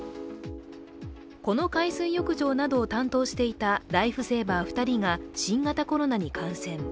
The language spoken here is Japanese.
この海水浴場などを担当していたライフセーバー２人が新型コロナに感染。